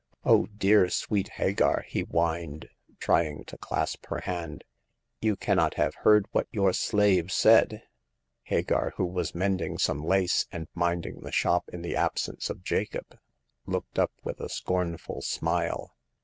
" Oh, dear, sweet Hagar !" he whined, trying to clasp her hand, " you cannot have heard what your slave said !" Hagar, who was mending some lace and mind ing the shop in the absence of Jacob, looked up with a scornful smile.